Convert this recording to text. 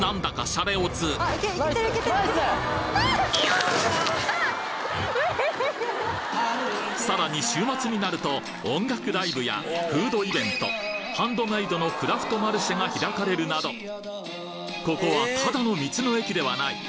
シャレオツさらに週末になると音楽ライブやフードイベントハンドメイドのクラフトマルシェが開かれるなどココはただの道の駅ではない！